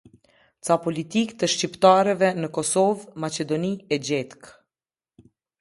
Ca politike të shqiptarëve në Kosovë, Maqedoni e gjetkë.